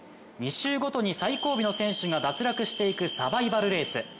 ２周ごとに最後尾の選手が脱落していくサバイバルレース。